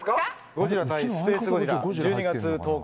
・「ゴジラＶＳスペースゴジラ」１２月１０日